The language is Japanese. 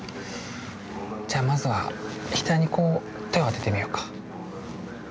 じゃあまずは額にこう手を当ててみようか。